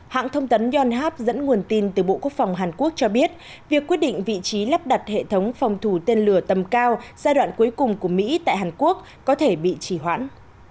hãng thông tấn yonhap dẫn nguồn tin từ bộ quốc phòng hàn quốc cho biết việc quyết định vị trí lắp đặt hệ thống phòng thủ tên lửa tầm cao giai đoạn cuối cùng của mỹ tại hàn quốc có thể bị chỉ hoãn